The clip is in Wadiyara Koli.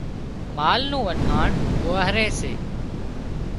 مال نُون وٿاڻ ٻوهاري سي